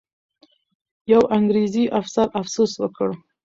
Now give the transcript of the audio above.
یو انګریزي افسر افسوس وکړ.